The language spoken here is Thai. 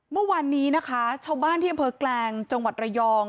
เมื่อวานนี้นะคะชาวบ้านที่อำเภอแกลงจังหวัดระยอง